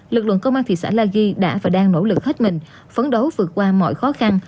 lực lượng công an thị xã la ghi đã và đang nỗ lực hết mình phấn đấu vượt qua mọi khó khăn